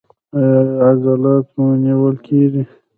ایا عضلات مو نیول کیږي؟